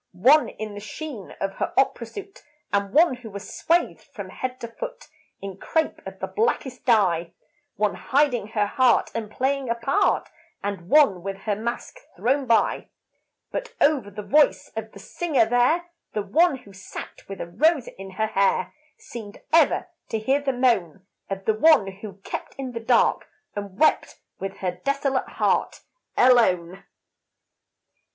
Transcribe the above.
One in the sheen of her opera suit; And one who was swathed from head to foot, In crepe of the blackest dye. One hiding her heart and playing a part, And one with her mask thrown by. But over the voice of the singer there, The one who sat with a rose in her hair, Seemed ever to hear the moan Of the one who kept in the dark and wept With her desolate heart alone.